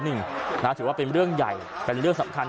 ถือว่าเป็นเรื่องใหญ่เป็นเรื่องสำคัญ